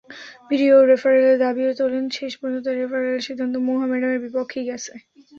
Video রেফারেলের দাবিও তোলেন, শেষ পর্যন্ত রেফারেলের সিদ্ধান্ত মোহামেডানের বিপক্ষেই গেছে।